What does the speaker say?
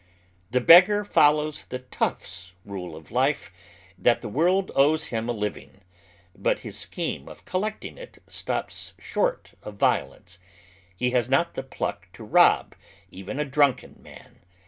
247 The beggar foliowa the "tough's" rule of life that the world owes him a living, but hia scheme of collecting it stops short of violence. He has not the pluck to rob even a drunken man.